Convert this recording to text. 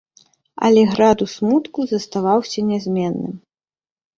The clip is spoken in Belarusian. Але градус смутку заставаўся нязменным.